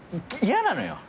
嫌なのよ。